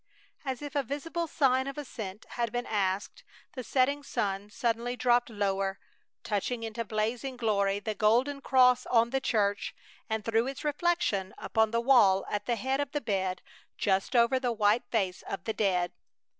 As if a visible sign of assent had been asked, the setting sun suddenly dropped lower, touching into blazing glory the golden cross on the church, and threw its reflection upon the wall at the head of the bed just over the white face of the dead.